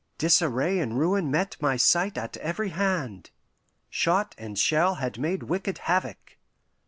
Disarray and ruin met my sight at every hand. Shot and shell had made wicked havoc.